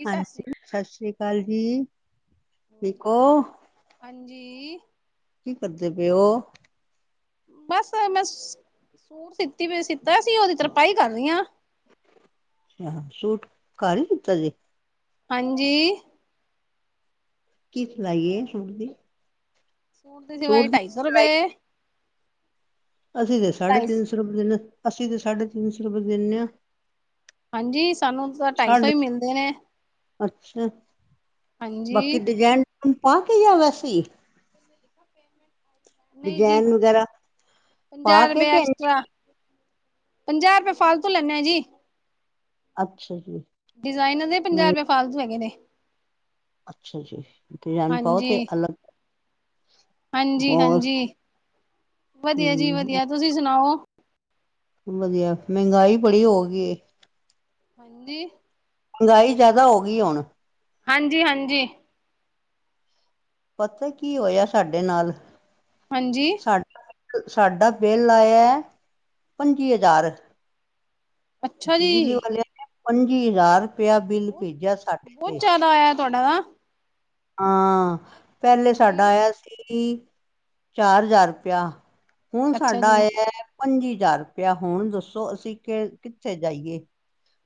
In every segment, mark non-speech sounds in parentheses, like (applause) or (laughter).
ਜੀ ਸਤਿ ਸ੍ਰੀ ਹਾਂਜੀ, ਸਤਿ ਸ੍ਰੀ ਅਕਾਲ ਜੀ, ਠੀਕ ਹੋ ਹਾਂਜੀ ਕੀ ਕਰਦੇ ਪਏ ਉਹ ਬਸ ਮੈਂ ਸੂਟ ਸੀਤਾ ਸਤਾ ਅਸੀਂ ਉਹਦੀ ਤਰਪਾਈ ਕਰਦੀ ਹਾਂ ਅਛ ਸੂਟ ਕਲ ਹੀ ਦਿੱਤਾ ਸੀੇ ਹਾਂਜੀ ਕੀ ਸਿਲਾਈ ਏ ਸੂਟ ਦੀ ਸੂਟ ਦੀ ਸਿਲਾਈ ਢਾਈ ਕੀ ਸੌ ਸਿਲਾਈ, ਏ? ਰੁਪਏ ਅਸੀਂ ਤਾਂ ਸਾਢੇ ਢਾਈ ਤਿੰਨ ਸੌ ਰੁਪਏ, ਅਸੀਂ ਤਾਂ ਸਾਢੇ ਤਿੰਨ ਸੌ ਰੁਪਏ ਦਿੰਦੇ ਹਾਂ ਹਾਂਜੀ ਸਾਨੂੰ ਤਾਂ ਢਾਈ ਸੌ ਸਾਢੇ, ਹੀ ਮਿਲਦੇ ਨੇ ਅੱਛਾ, ਹਾਂਜੀ ਬਾਕੀ ਡਿਜਾਇਨ ਪਾ ਕੇ ਜਾ ਵੈਸੇ ਨਹੀਂ ਜੀ, ਡਿਜ਼ਾਇਨ ਵਗੈਰਾ ਪਾ ਪੰਜਾਹ ਕੇ ਰੁਪਏ ਕਿ ਐਕਸਟਰਾ ਪੰਜਾਹ ਰੁਪਏ ਫਾਲਤੂ ਲੈਂਦੇ ਹਾਂ ਜੀ ਅੱਛਾ ਜੀ ਡਿਜ਼ਾਇਨ ਦੇ ਪੰਜਾਹ ਮਹਿੰਗਾ ਰੁਪਏ ਫਾਲਤੂ ਹੈਗੇ ਨੇ। ਅੱਛਾ ਜੀ, ਡਿਜਾਇਨ ਪਾਓ ਤੇ ਅਲਗ ਹਾਂਜੀ-ਹਾਂਜੀ, ਵਧੀਆ ਜੀ ਹੂੰ, ਵਧੀਆ ਤੁਸੀਂ ਸੁਣਾਓ? ਵਧੀਆ, ਮਹਿੰਗਾਈ ਬੜੀ ਹੋਗੀਏ ਹਾਂਜੀ। ਮਹਿੰਗਾਈ ਜ਼ਿਆਦਾ ਹੋ ਗਈ ਹੁਣ। ਹਾਂਜੀ-ਹਾਂਜੀ। ਪਤਾ ਕੀ ਹੋਇਆ ਸਾਡੇ ਨਾਲ। ਹਾਂਜੀ। ਸਾਡਾ-ਸਾਡਾ ਬਿੱਲ ਆਇਆ ਪੰਜੀ ਹਜ਼ਾਰ। ਅੱਛਾ ਬਿਜਲੀ ਜੀ ਵਾਲਿਆਂ ਨੇ ਪੰਜੀ ਹਜ਼ਾਰ ਰੁਪਇਆ ਬਿੱਲ ਭੇਜਿਆ ਸਾਡੇ ਤੇ। ਕਦਾ ਆਇਆ ਤੁਹਾਡਾ? ਹਾਂ, ਪਹਿਲੇ ਸਾਡਾ ਹਾਂਜੀ ਆਇਆ ਸੀ ਚਾਰ ਹਜ਼ਾਰ ਰੁਪਆ। ਹੁਣ ਅੱਛਾ ਸਾਡਾ ਜੀ ਆਇਆ ਪੰਜੀ ਹਜ਼ਾਰ ਰੁਪਇਆ ਹੁਣ ਦੱਸੋ ਅਸੀਂ ਕਿ ਕਿੱਥੇ ਜਾਈਏ।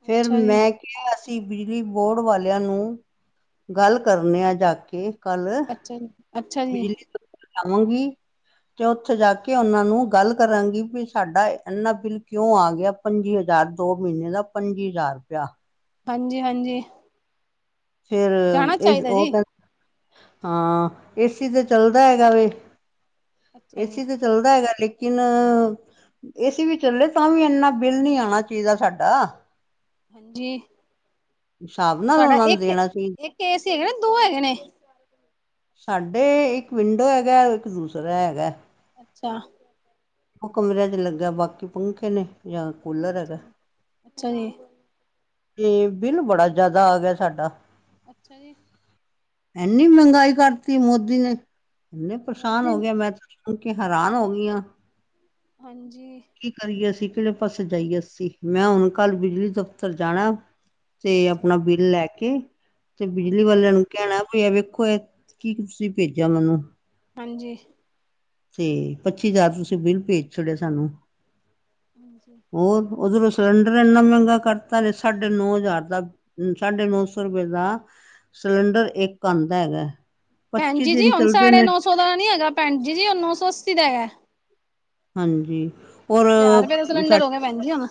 ਫੇਰ ਅੱਛਾ ਜੀ ਮੈਂ ਕ ਅਸੀਂ ਬਿਜਲੀ ਬੋਰਡ ਵਾਲਿਆਂ ਨੂੰ ਗੱਲ ਕਰਨੇ ਆ ਜਾ ਕੇ। ਕੱਲ ਅੱਛਾ ਜੀ ਅੱਛਾ ਜੀ ਬਿਜਲੀ ਦਫਤਰ ਜਾਵਾਂਗੀ। ਤੇ ਉੱਥੇ ਜਾ ਕੇ ਉਹਨਾਂ ਨੂੰ ਗੱਲ ਕਰਾਂਗੀ, ਵੀ ਸਾਡਾ ਇਨਾ ਬਿੱਲ ਕਿਉਂ ਆ ਗਿਆ? ਪੰਜੀ ਹਜ਼ਾਰ ਦੋ ਮਹੀਨੇ ਦਾ ਪੰਜੀ ਹਜ਼ਾਰ ਰੁਪਇਆ। ਹਾਂਜੀ-ਹਾਂਜੀ। ਫੇਰ ਇਹ ਉਹ ਜੀ ਕਹਿ ਹਾਂ, ਏਸੀ ਤੇ ਚੱਲਦਾ ਹੈਗਾ ਵੇ ਅੱਛਾ ਜੀ ਏਸੀ ਤੇ ਚੱਲਦਾ ਹੈਗਾ ਲੇਕਿਨ ਏਸੀ ਵੀ ਚੱਲੇ ਤਾਂ ਵੀ ਇੰਨਾ ਬਿੱਲ ਨੀ ਆਉਣਾ ਚੀਹਿਦਾ ਸਾਡਾ। ਹਾਂਜੀ। ਹਿਸਾਬ ਨੂੰ ਨਾਲ ਤੁਹਾਡਾ ਉਹਨਾਂ ਦੇਣਾ ਚਾਹੀਦਾ ਇੱਕ-ਇੱਕ ਏ ਸੀ ਹੈਗੇ ਨਾ ਦੋ ਹੈਗੇ ਨੇ? ਸਾਡੇ ਇੱਕ ਵਿੰਡੋ ਹੈਗਾ ਇੱਕ ਦੂਸਰਾ ਹੈਗਾ। ਅੱਛਾ। ਉਹ ਕਮਰਿਆਂ ਚ ਲੱਗਿਆ ਬਾਕੀ ਪੰਖੇ ਨੇ ਜਾਂ ਕੂਲਰ ਹੈਗਾ ਅੱਛਾ ਜ- ਅੱਛਾ ਜੀ। ਤੇ ਬਿੱਲ ਬੜਾ ਜਿਆਦਾ ਆ ਗਿਆ ਸਾਡਾ। ਅੱਛਾ ਜੀ। ਇੰਨੀ ਮਹਿੰਗਾਈ ਕਰਤੀ ਮੋਦੀ ਨੇ, ਇੰਨੇ ਪਰੇਸ਼ਾਨ ਮੋਦੀ ਹੋ ਗਿਆ ਮੈਂ ਸੁਣ ਕੇ ਹੈਰਾਨ ਹੋ ਗਿਆਂ। ਹਾਂਜੀ। ਕੀ ਕਰੀਏ ਅਸੀ ਕਿਹੜੇ ਪਾਸੇ ਜਾਈਏ ਅਸੀ ਮੈਂ ਹੁਣ ਕੱਲ ਬਿਜਲੀ ਦਫ਼ਤਰ ਜਾਣਾ। ਤੇ ਅੱਛਾ ਆਪਣਾ ਜੀ ਬਿੱਲ ਲੈ ਕੇ ਤੇ ਬਿਜਲੀ ਹਾਂਜੀ ਵਾਲਿਆਂ ਨੂੰ ਕਹਿਣਾ ਭਈ ਵੇਖੋ ਇਹ ਕੀ ਤੁਸੀਂ ਭੇਜਿਆ ਮੈਨੂੰ? ਹਾਂਜੀ। ਤੇ, ਪੱਚੀ ਹਜ਼ਾਰ ਤੁਸੀਂ ਬਿੱਲ ਭੇਜ ਛੜਿਆ ਸਾਨੂੰ। ਹਾਂਜੀ। ਹੋਰ ਉਧਰੋਂ ਸਿਲੰਡਰ ਇੰਨਾ ਮਹਿੰਗਾ ਕਰਤਾ ਨੇ ਸਾਢੇ ਨੌ ਹਜ਼ਾਰ ਦਾ। ਸਾਢੇ ਨੌ ਸੌ ਰੁਪਏ ਦਾ ਸਿਲੰਡਰ ਇੱਕ ਆਉਦਾ ਹੈਗਾ। ਭੈਣ ਪੱਚੀ ਜੀ ਜੀ ਦਿਨ ਹੁਣ ਚੱਲਦੇ ਸਾਢੇ ਨੇ। ਨੌ ਸੌ ਦਾ ਨੀ ਹੈਗਾ ਭੈਣ ਜੀ ਦੀਦੀ ਉਹ ਨੌ ਸੌ ਅੱਸੀ ਦਾ ਹੈਗਾ। ਹਾਂਜੀ। ਔਰ ਹਜ਼ਾਰ ਅ, ਰੁਪਏ ਦੇ ਸਿਲੰਡਰ ਸਾਡੇ ਹੋ ਗਏ ਭੈਣਜੀ ਹੁਨ।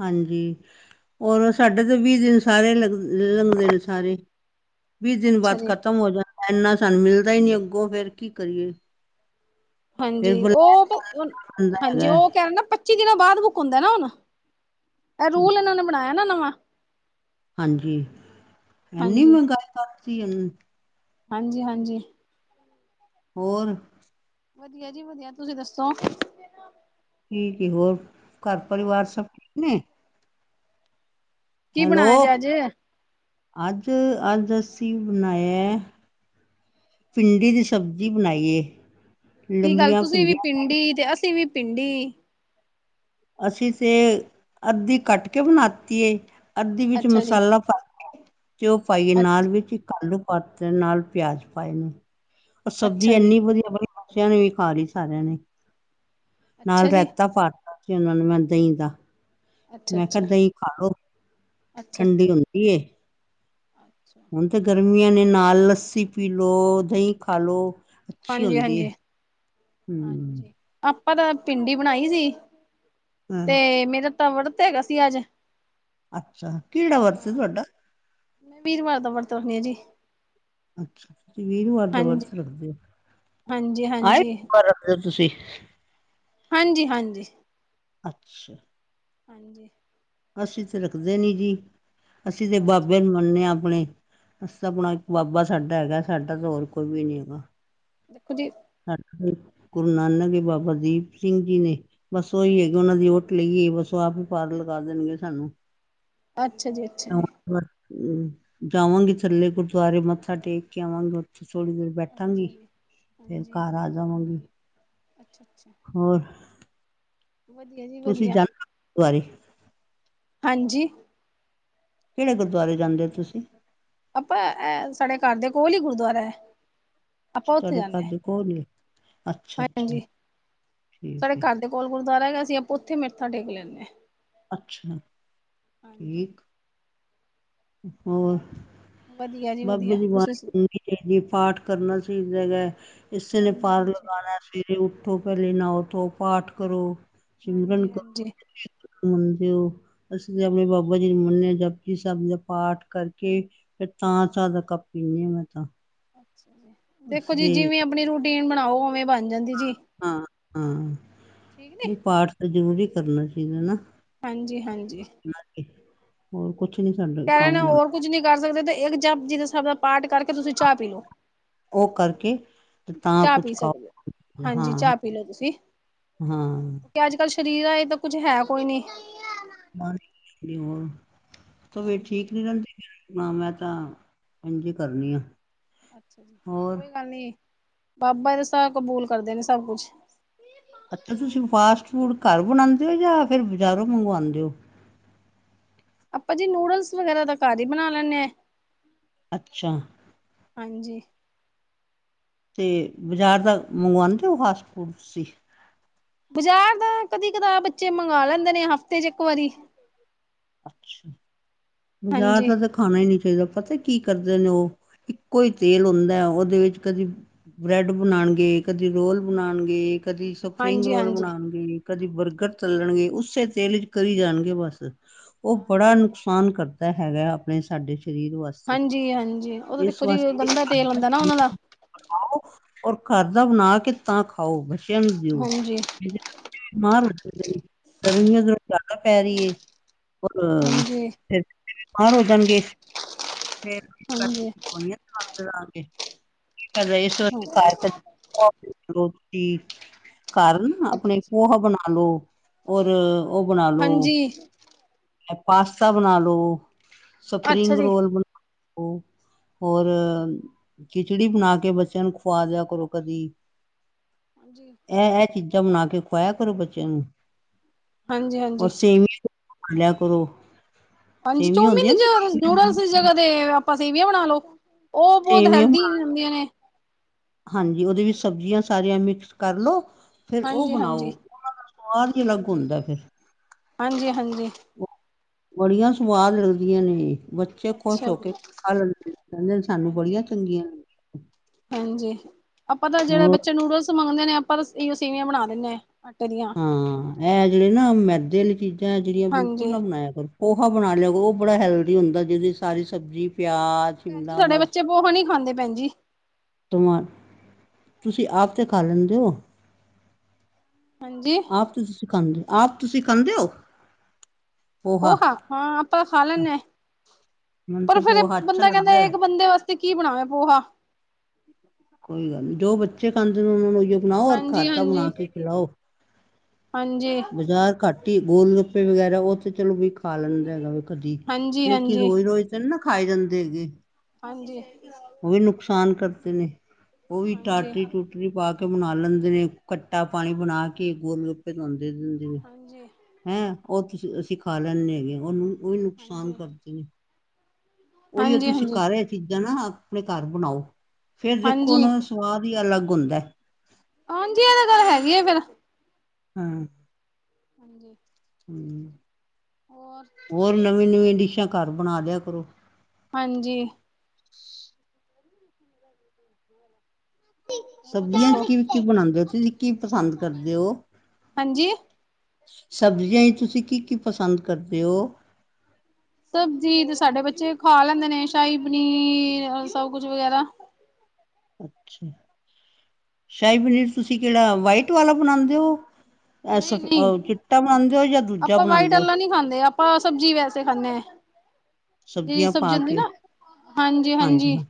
ਹਾਂਜੀ। ਔਰ ਸਾਡੇ ਤੇ ਵੀਹ ਦਿਨ ਸਾਰੇ ਲਗ ਲੰਘਦੇ ਨੇ ਸਾਰੇ। ਵੀਹ ਦਿਨ ਅੱਛਾ ਬਾਅਦ ਜੀ ਖ਼ਤਮ ਹੋ ਜਾਂਦਾ ਇੰਨਾ ਸਾਨੂੰ ਮਿਲਦਾ ਹੀ ਨਹੀਂ ਅੱਗੋਂ ਫੇਰ ਕੀ ਕਰੀਏ। ਹਾਂਜੀ ਫੇਰ ਬੁਲਾਇਆ ਉਹ, ਬੰਦਾ ਹੈਗਾ ਹਾਂਜੀ ਉਹ ਹੈ। ਕਹਿੰਦਾ ਪੱਚੀ ਦਿਨਾਂ ਬਾਅਦ ਬੁੱਕ ਹੁੰਦਾ ਨਾ ਹੁਣ। ਇਹ ਰੂਲ ਇਹਨਾਂ ਨੇ ਬਣਾਇਆ ਨਾ ਨਵਾਂ। ਹਾਂਜੀ, ਇੰਨੀ ਹਾਂਜੀ ਮਹਿੰਗਾਈ ਕਰਤੀ ਇਹ। ਹਾਂਜੀ ਹਾਂਜੀ, ਹੋਰ ਵਧੀਆ ਜੀ ਵਧੀਆ ਤੁਸੀਂ ਦੱਸੋ। ਠੀਕ ਐ, ਹੋਰ ਘਰ ਪਰਿਵਾਰ ਸਭ ਠੀਕ ਨੇ। ਕੀ ਹੈਲੋ, ਬਣਾਇਆ ਜੇ ਅੱਜ ਅੱਜ ਅੱਜ ਅਸੀਂ ਬਣਾਇਆ ਭਿੰਡੀ ਦੀ ਸਬਜ਼ੀ ਬਣਾਈ ਏ। ਕੀ ਗੱਲ ਤੁਸੀਂ ਵੀ ਪਿੰਡੀ ਤੇ ਅਸੀਂ ਵੀ ਪਿੰਡੀ। ਅਸੀਂ ਤੇ, ਅੱਧੀ ਕੱਟ ਕੇ ਬਣਾਤੀ ਏ। ਅੱਧੀ ਵਿੱਚ ਅੱਛਾ ਜੀ ਮਸਾਲਾ ਪਾ ਤਾ, ਉਹ ਪਾਈ ਏ ਨਾਲ ਅੱਛਾ ਵਿੱਚ ਇੱਕ ਆਲੂ ਪਾਤੇ ਨਾਲ ਪਿਆਜ ਪਾਏ ਨੇ, ਉਹ ਸਬਜ਼ੀ ਅੱਛਾ ਜੀ ਐੰਨੀ ਵਧੀਆ ਬਣੀ‌ ਬੱਚਿਆਂ ਨੇ ਵੀ ਖਾ ਲਈ ਸਾਰਿਆਂ ਨੇ। ਨਾਲ ਅੱਛਾ ਜੀ ਰਾਇਤਾ ਪਾਤਾ ਸੀ ਉਹਨਾਂ ਨੂੰ ਮੈਂ ਦਹੀਂ ਦਾ। ਅੱਛਾ ਮੈਂ ਅੱਛਾ ਕਿਹਾ ਦਹੀਂ ਖਾ ਲਓ, ਅੱਛਾ ਅੱਛਾ ਠੰਡੀ ਹੁੰਦੀ ਹੈ। ਅੱਛਾ। ਹੁਣ ਤਾਂ ਗਰਮੀਆਂ ਨੇ ਨਾਲ ਲੱਸੀ ਪੀ ਲਓ, ਦਹੀਂ ਖਾ ਲਓ। ਅੱਛੀ ਹਾਂਜੀ ਹੁੰਦੀ ਹੈ ਹਾਂਜੀ ਹਮ। ਹਾਂਜੀ ਆਪਾਂ ਤਾਂ ਪਿੰਡੀ ਬਣਾਈ ਸੀ, ਹਾਂ ਤੇ ਮੇਰਾ ਵਰਤ ਹੈਗਾ ਸੀ ਅੱਜ। ਅੱਛਾ ਕਿਹੜਾ ਵਰਤ ਏ ਤੁਹਾਡਾ ਵੀਰਵਾਰ ਦਾ ਵਰਤ ਰਖਣੀ ਆ ਜੀ। ਅੱਛਾ, ਤੁਂ ਵੀਰਵਾਰ ਦਾ ਹਾਂਜੀ ਵਰਤ ਰੱਖਦੇ ਹੋ। ਹਾਂਜੀ ਆਏ ਹਾਂਜੀ। ਵੀਰਵਾਰ ਰੱਖਦੇ ਹੋ ਤੁਸੀਂ। ਹਾਂਜੀ ਹਾਂਜੀ। ਅੱਛਾ। ਹਾਂਜੀ। ਅਸੀਂ ਤੇ ਰੱਖਦੇ ਨੀ ਜੀ, ਅਸੀਂ ਤੇ ਅੱਛਾ ਬਾਬੇ ਜੀ ਨੂੰ ਮੰਨਦੇ ਹ ਆਪਣੇ। ਅਸੀ ਤਾਂ ਆਪਣਾ ਇੱਕ ਬਾਬਾ ਸਾਡਾ ਹੈਗਾ ਸਾਡਾ ਤਾਂ ਹੋਰ ਕੋਈ ਵੀ ਨੀ ਹੈਗਾ। ਦੇਖ (unintelligible) ਸਾਡੇ ਗੁਰੂ ਨਾਨਕ ਬਾਬਾ ਦੀਪ ਸਿੰਘ ਜੀ ਨੇ। ਬਸ ਉਹੀ ਹੈਗੇ ਉਹਨਾਂ ਦੀ ੳਟ ਲਈ ਬਸ ਉਹ ਆਪ ਹੀ ਪਾਰ ਲਗਾ ਦੇਣਗੇ ਸਾਨੂੰ ਅੱਛਾ ਜੀ ਅੱਛਾ ਜੀ। ਮੈ ਜਾਵਾਂਗੇ ਥੱਲੇ ਗੁਰਦੁਆਰੇ ਮੱਥਾ ਟੇਕ ਕੇ ਆਵਾਂਗੇ ਉੱਥੇ ਥੋੜ੍ਹੀ ਦੇਰ। ਬੈਠਾਂਗੀ ਅੱਛਾ ਜੀ‌। ਫਿਰ ਘਰ ਆ ਜਾਵਾਂਗੀ। ਅੱਛਾ ਅੱਛਾ। ਹੋਰ। ਵਧੀਆ ਜੀ ਵਧੀਆ। ਵਾਰੀ। ਹਾਂਜੀ। ਕਿਹੜੇ ਗੁਰਦੁਆਰੇ ਜਾਂਦੇ ਹੋ ਤੁਸੀਂ? ਆਪਾਂ ਇਹ ਸਾਡੇ ਘਰ ਦੇ ਕੋਲ ਹੀ ਗੁਰਦੁਆਰਾ ਹੈ। ਆਪਾਂ ਉੱਥੇ ਤੁਹਾਡੇ ਘਰ ਜਾਂਦੇ ਹਾਂ ਦੇ ਕੋਲ ਹੀ ਏ। ਹਾਂਜੀ, ਸਾਡੇ ਠੀਕ ਹੈ ਘਰ ਦੇ ਕੋਲ ਗੁਰਦੁਆਰਾ ਹੈਗਾ ਅਸੀਂ ਆਪਾਂ ਉੱਥੇ ਮੱਥਾ ਟੇਕ ਲੈਂਦੇ ਹਾਂ। ਅੱਛਾ! ਹਾਂਜੀ ਠੀਕ। ਹੋਰ, ਵਧੀਆ ਜੀ ਬਾਬੇ ਵਧੀਆ ਦੀ ਤੁਸੀਂ ਬਾਣੀ ਕਿਸੀ ਲਈ ਪਾਠ ਕਰਨਾ ਸਹੀ ਹੈਗਾ ਇਸੇ ਨੇ ਹਾਂਜੀ ਪਾਰ ਹਾਂਜੀ ਲਗਾਉਣਾ ਸਵੇਰੇ ਉਠੋ ਪਹਿਲੇ ਨਹਾ ਕੇ ਪਾਠ ਕਰੋ। ਸਿਮਰਨ ਹਾਂਜੀ-ਹਾਂਜੀ ਕਰੋ ਮੰਨਦੇ ਹੋ ਅਸੀਂ ਤੇ ਆਪਣੇ ਬਾਬਾ ਜੀ ਨੂੰ ਮੰਨੇ ਜਪ ਜੀ ਸਾਹਿਬ ਦਾ ਪਾਠ ਕਰਕੇ ਫਿਰ ਤਾਂ ਚਾਹ ਦਾ ਕੱਪ ਪੀਣੀ ਮੈਂ ਤਾ ਦੇਖੋ ਜੀ ਜਿਵੇਂ ਆਪਣੀ ਰੂਟੀਨ ਬਣਾਓ ਓਵੇਂ ਬਣ ਜਾਂਦੀ। ਜੀ ਹਾਂ -ਹਾਂ ਠੀਕ -ਹਾਂ ਨੀ ਪਾਠ ਤਾਂ ਜ਼ਰੂਰੀ ਕਰਨਾ ਚਾਹੀਦਾ ਨਾ। ਹਾਂਜੀ- ਹਾਂਜੀ ਹੋਰ ਕੁਛ ਨੀ ਸਾਡੇ ਕਹਿ ਰਹੇ ਨੇ ਕੰਮ ਆਣ ਹੋਰ ਕੁੱਝ ਨੀ ਕਰ ਸਕਦੇ ਤੇ ਇੱਕ ਜਪ ਜੀ ਦੇ ਸਾਬ ਦਾ ਪਾਠ ਕਰਕੇ ਤੁਸੀਂ ਚਾਹ ਪੀ ਲਓ। ਉਹ ਕਰਕੇ ਤੇ ਤਾਂ ਚਾਹ ਕੁਛ ਪੀ ਸਕਦੇ ਹੋ ਖਾਓ ਹਾਂਜੀ ਹਾਂ। ਚਾਹ ਪੀ ਲਓ ਤੁਸੀਂ। ਹਾਂ‌ ਕਿਉਂਕਿ ਅੱਜ ਕੱਲ੍ਹ ਸਰੀਰਾਂ ਏ ਕੁੱਝ ਹੈ ਕੋਈ ਨੀ। ਤੇ ਹੋਰ ਤਬੀਅਤ ਹਾਂਜੀ ਠੀਕ ਨੀ ਰਹਿੰਦੀ (inaudible) ਨਾ ਮੈਂ ਤਾਂ ਇੰਜ ਈ ਕਰਨੀ ਆ। ਅੱਛਾ ਜੀ ਹੋਰ ਕੋਈ ਗੱਲ ਨੀ ਬਾਬਾ ਈ ਸ ਕਬੂਲ ਕਰਦੇ ਨੇ ਸਭ ਕੁੱਛ ਅੱਛਾ ਤੁਸੀਂ ਫਾਸਟ ਫੂਡ ਘਰ ਬਣਾਂਦੇ ਓ ਜਾਂ ਫੇਰ ਬਜ਼ਾਰੋਂ ਮੰਗਵਾਉਂਦੇ ਓ। ਆਪਾਂ ਜੀ ਨੂਡਲਸ ਵਗੈਰਾ ਤਾਂ ਘਰ ਈ ਬਣਾ ਲੈਂਨੇ। ਅੱਛਾ ਹਾਂਜੀ ਤੇ ਬਾਜ਼ਾਰ ਦਾ ਮੰਗਵਾਂਦੇ ਓ ਫਾਸਟ ਫੂਡ ਤੁਸੀਂ ਬਜ਼ਾਰ ਦਾ ਕਦੀ ਕਦਾ ਬੱਚੇ ਮੰਗਾ ਲੈਂਦੇ ਨੇ ਹਫ਼ਤੇ 'ਚ ਇਕ ਵਰੀ ਅੱਛਾ ਬਾਜ਼ਾਰ ਦਾ ਹਾਂਜੀ। ਤਾਂ ਦੇ ਖਾਣਾ ਈ ਚਾਹੀਦਾ ਪਤਾ ਕੀ ਕਰਦੇ ਨੇ ਓ ਇੱਕੋ ਈ ਤੇਲ ਹੁੰਦੈ ਓਦੇ ਵਿੱਚ ਕਦੀ ਬ੍ਰੈਡ ਬਣਾਂਣਗੇ ਕਦੀ ਰੋਲ ਬਣਾਂਣਗੇ ਕਦੀ ਸਪਰਿੰਗ ਹਾਂਜੀ ਰੋਲ ਹਾਂਜੀ ਬਣਾਂਣਗੇ ਕਦੀ ਬਰਗਰ ਤਲਣਗੇ ਉਸੇ ਤੇਲ 'ਚ ਕਰੀ ਜਾਣਗੇ ਬਸ ਓ ਬੜਾ ਹਾਂਜੀ। ਨੁਕਸਾਨ ਕਰਦਾ ਹੈਗੈ ਆਪਣੇ ਸਾਡੇ ਸਰੀਰ ਵਾਸ ਹਾਂਜੀ ਹਾਂਜੀ ਉਹ ਤਾਂ ਦੇਖੋ ਜੀ ਗੰਦਾ ਤੇਲ ਹੁੰਦਾ ਨਾ (unintelligible) ਉਹਨਾਂ ਦਾ ਖਾਉ ਔਰ ਘਰਦਾ ਬਣਾ ਕੇ ਤਾਂ ਖਾਓ ਬੱਚਿਆਂ ਨੂੰ ਦਿਓ। ਹਾਂਜੀ (unintelligible) ਜਾਦਾ ਪੈ ਰੀ ਏ ਹਾਂਜੀ। ਫਿਰ ਬਿਮਾਰ ਹੋ ਜਾਣਗੇ। (inaudible) (unintelligible) ਹਾਂਜੀ ਘਰ ਆਪਣੇ ਪੋਹਾ ਬਣਾ ਲੋ ਔਰ ਉਹ ਬਣਾ ਲੋ। ਹਾਂਜੀ ਪਾਸਤਾ ਬਣਾ ਲੋ‍, ਅੱਛਾ ਸਪਰਿੰਗ ਜੀ ਰੋਲ ਬਣਾ ਲੋ। ਹੋਰ ਖਿਚੜੀ ਬਣਾ ਕੇ ਬੱਚਿਆਂ ਨੂੰ ਖਵਾ ਦਿਆ ਕਰੋ ਕਦੀ ਜੀ। ਐ-ਐ ਚੀਜ਼ਾਂ ਬਣਾ ਕੇ ਖੁਵਾਇਆ ਕਰੋ ਬੱਚਿਆਂ ਨੂੰ ਹਾਂਜੀ-ਹਾਂਜੀ ਪੜ੍ਹ ਲਿਆ ਕਰੋ। ਹਾਂਜੀ ਸੇਵੀਆਂ ਚੋਮੀਨ ਹੁੰਦੀਆਂ ਜ ਨਾ ਨੂਡਲਜ ਜਿਸ ਜਗ੍ਹਾ ਤੇ ਆਪਾਂ ਸੇਵੀਆਂ ਬਣਾ ਲੋ ਓ ਬੋਤ ਸੇਵੀਆਂ ਹੈਲਦੀ ਬਣਾ- ਹੁੰਦੀਆਂ ਨੇ। ਹਾਂਜੀ ਓਦੇ ਵਿੱਚ ਸਬਜ਼ੀਆਂ ਸਾਰੀਆਂ ਮਿਕਸ ਕਰ ਲੋ। ਫੇਰ ਉਹ ਹਾਂਜੀ ਬਣਾਓ ਹਾਂਜੀ ਓਨਾਂ ਦਾ ਸਵਾਦ ਈ ਅਲੱਗ ਹੁੰਦੈ ਫੇਰ ਹਾਂਜੀ-ਹਾਂਜੀ। ਬੜੀਆਂ ਸੁਵਾਦ ਲੱਗਦੀਆਂ ਨੇ ਬ ਬਚੇ ਖੁਸ਼ ਅੱਛਾ ਹੋ ਕੇ ਜੀ ਖਾ ਲੈਂਦੇ ਕੈਂਦੇ ਸਾਨੂੰ ਬੜੀਆਂ ਹਾਂਜੀ ਚੰਗੀਆਂ ਹਾਂਜੀ ਆਪਾਂ ਤਾਂ ਜਿਹੜੇ ਹੋਰ ਬੱਚੇ ਨੂਡਲਸ ਮੰਗਦੇ ਨੇ ਆਪਾਂ ਤਾਂ ਇਹੀਓ ਸੇਵੀਆਂ ਬਣਾ ਦਿੰਨੇ ਆਟੇ ਦੀਆਂ। ਹਾਂ ਐ ਜਿਹੜੇ ਨਾ ਮੈਦੇ ਆਲੀ ਚੀਜ਼ਾਂ ਐ ਜਿਹੜੀ ਆਂ ਬਿਲਕੁਲ ਹਾਂਜੀ ਨਾ ਬਣਾਇਆ ਕਰੋ। ਪੋਹਾ ਬਣਾ ਲਿਆ ਹਾਂਜੀ ਗੋ ਓ ਬੜਾ ਹੈਲਦੀ ਹੁੰਦੈ ਜਿਦੇ 'ਚ ਸਾਰੀ ਸਬਜ਼ੀ ਪਿਆਜ ਭੈਣ ਜੀ ਸ਼ਿਮਲਾ ਸਾਡੇ ਬੱਚੇ ਮਿਰਚ ਪੋਹਾ ਨੀ ਖਾਂਦੇੈ ਭੈਣਜੀ। (unintelligible) ਤੁਸੀਂ ਆਪ ਤਾਂ ਖਾ ਲੈਂਦੇ ਓ? ਹਾਂਜੀ ਆਪ ਤੁਸੀਂ ਸਖਾਂਦੇ ਹੋ ਆਪ ਤੁਸੀਂ ਖਾਂਦੇ ਓ? ਪੋਹਾ ਹਾਂ ਆਪਾਂ ਖਾ ਲੈਂਨੇ। ਮੈਨੂੰ ਪਰ ਤੇ ਫਿਰ ਪੋਹਾ ਅੱਛਾ ਬੰਦਾ ਕਹਿੰਦਾ ਲੱਗਦਾ ਇੱਕ ਹੈ ਬੰਦੇ ਵਾਸਤੇ ਕੀ ਬਣਾਵੇ ਪੋਹਾ। ਕੋਈ ਗੱਲ ਨੀ ਜੋ ਬੱਚੇ ਖਾਂਦੇ ਨੇ ਉਹਨਾਂ ਨੂੰ ਉਹੀਓ ਬਣਾਓ ਔਰ ਹਾਂਜੀ ਘਰ ਦਾ ਹਾਂਜੀ ਬਣਾ ਕੇ ਖਿਲਾਓ। ਹਾਂਜੀ। ਬਜ਼ਾਰ ਘੱਟ ਈ ਗੋਲ ਗੁੱਪੇ ਵਗੈਰਾ ਓ ਤੇ ਚਲੋ ਵੀ ਖਾ ਲੈਂਦਾ ਹੈਗਾ ਵੀ। ਕਦੀ ਹਾਂਜੀ ਲੇਕਿਨ ਹਾਂਜੀ ਰੋਜ਼-ਰੋਜ਼ ਤੇ ਨੀ ਨਾ ਖਾਏ ਜਾਂਦੇ ਹੈਗੇ ਹਾਂਜੀ। ਓ ਵੀ ਨੁਕਸਾਨ ਕਰਦੇ ਨੇ ਓ ਵੀ ਹਾਂਜੀ ਹਾਂਜੀ ਟਾਟ ਈ ਟੂ ਚਟਨੀ ਪਾ ਕੇ ਬਣਾ ਲੈਂਦੇ ਨੇ ਕੱਟਾ ਪਾਣੀ ਬਣਾ ਕੇ ਗੋਲ ਗੱਪੇ ਤੁਹਾਨੂੰ ਦੇ ਦਿੰਦੇ ਨੇ ਹਾਂਜੀ ਹੈ ਉਹ ਤੁਸੀਂ ਅਸੀਂ ਖਾ ਲੈਂਦੇ ਹੈਗੇ ਉਹਨੂੰ ਉਹੀ ਨੁਕਸਾਨ ਹਾਂਜੀ ਕਰਦੀ। ਉਹੀ ਹਾਂਜੀ ਤੁਸੀਂ ਘਰ ਰਹੇ ਚੀਜ਼ਾਂ ਨਾ ਆਪਣੇ ਘਰ ਬਣਾਓ ਫਿਰ ਦੇਖੋ ਹਾਂਜੀ ਉਨਾਂ ਨੂੰ ਸਵਾਦ ਹੀ ਅਲੱਗ ਹੁੰਦਾ। ਹਾਂਜੀ ਇਹਦੇ ਗੱਲ ਹੈਗੀ ਆ ਫਿਰ ਹਾਂ। ਹਾਂਜੀ। ਹੂ ਹੋਰ ਹੋਰ ਨਵੀਂ ਨਵੀਂ ਡਿਸ਼ਾਂ ਘਰ ਬਣਾ ਲਿਆ ਕਰੋ। ਹਾਂਜੀ (inaudible) ਹੋਰ ਸਬਜ਼ੀਆਂ ਚ ਦੱਸੋ ਕੀ ਕੀ ਬਣਾਉਂਦੇ ਹੋ ਤੁਸੀਂ ਕੀ ਪਸੰਦ ਕਰਦੇ ਹੋ! ਹਾਂਜੀ ਸਬਜ਼ੀਆਂ ਹੀ ਤੁਸੀਂ ਕੀ ਕੀ ਪਸੰਦ ਕਰਦੇ ਹੋ? ਸਬਜ਼ੀ ਤੇ ਸਾਡੇ ਬੱਚੇ ਖਾ ਲੈਂਦੇ ਨੇ ਸ਼ਾਹੀ ਪਨੀਰ ਸਭ ਕੁਛ ਵਗੈਰਾ ਅੱਛਾ ਸ਼ਾਹੀ ਪਨੀਰ ਤੁਸੀਂ ਕਿਹੜਾ ਵਾਈਟ ਵਾਲਾ ਬਣਾਉਂਦੇ ਹੋ! ਐਸ ਨਹੀਂ ਨਹੀਂ ਉਹ ਚਿੱਟਾ ਬਣਾਉਂਦੇ ਹੋ ਜਾਂ ਦੂਜਾ ਆਪਾਂ ਵਾਈਟ ਬਣਾਉਂਦੇ ਹੋ। ਆਲਾ ਖਾਂਦੇ ਆਪਾਂ ਸਬਜ਼ੀ ਵੈਸੇ ਖਾਨੇ ਆ ਜਿ ਸਬਜ਼ੀਆਂ ਸਬਜ਼ੀ ਪਾ ਹੁੰਦੀ ਕੇ ਨਾ ਹਾਂਜੀ ਹਾਂ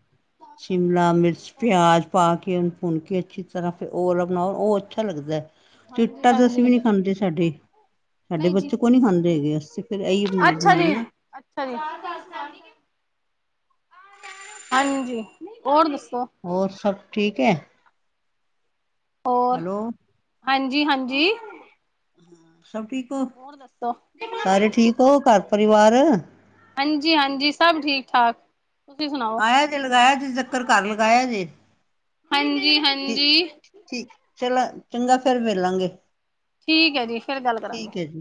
ਸ਼ਿਮਲਾ ਮਿਰਚ ਪਿਆਜ਼ ਪਾ ਕੇ ਉਹਨੂੰ ਭੁੰਨ ਕੇ ਅੱਛੀ ਤਰ੍ਹਾਂ ਫਿਰ ਉਹ ਵਾਲਾ ਬਣਾਓ ਉਹ ਅੱਛਾ ਲੱਗਦਾ ਹੈ। ਹਾਂਜੀ ਚਿੱਟਾ ਤਾਂ ਅਸੀਂ ਹਾਂਜੀ ਵੀ ਨੀ ਖਾਂਦੇ ਸਾਡੇ। ਸਾਡੇ ਨਹੀਂ ਬੱਚੇ ਜੀ ਕੋ ਨੀ ਖਾਂਦੇ ਹੈਗੇ ਅਸੀਂ ਫਿਰ ਐਹੀਓ ਪਨੀਰ ਬਣਾਨੇ ਆ। ਸਹੀ ਹਾਂਜੀ ਹੋਰ ਦੱਸੋ? ਹੋਰ ਸਭ ਠੀਕ ਹੈ? ਹੋਰ ਹੈਲੋ। ਹਾਂਜੀ ਹਾਂਜੀ। ਸਭ ਠੀਕ ਹੋ ਹੋਰ ਦੱਸੋ? ਸਾਰੇ ਠੀਕ ਹੋ ਘਰ ਪਰਿਵਾਰ! ਹਾਂਜੀ ਹਾਂਜੀ ਸਭ ਠੀਕ ਠਾਕ ਤੁਸੀਂ ਸੁਣਾਓ ਆਇਆ ਜੇ ਲਗਾਇਆ ਜੇ ਚੱਕਰ ਕਰ ਲਗਾਇਆ ਜੇ। ਹਾਂਜੀ ਠੀਕ ਹਾਂਜੀ। ਠੀਕ ਚਲੋ ਚੰਗਾ ਫਿਰ ਮਿਲਾਂਗੇ। ਠੀਕ ਹੈ ਜੀ ਫਿਰ ਗੱਲ ਕਰਾਂਗੇ! ਠੀਕ ਹੈ ਜੀ